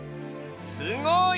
すごい！